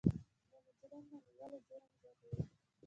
د مجرم نه نیول جرم زیاتوي.